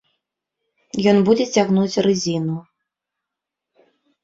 Ён будзе цягнуць рызіну.